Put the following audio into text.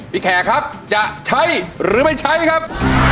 แขกครับจะใช้หรือไม่ใช้ครับ